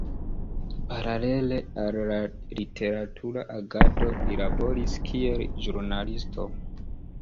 Paralele al la literatura agado li laboris kiel ĵurnalisto.